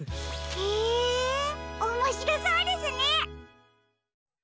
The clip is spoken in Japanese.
へえおもしろそうですね！